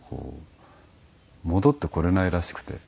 戻ってこれないらしくて。